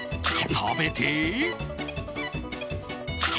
食べて。